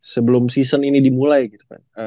sebelum season ini dimulai gitu kan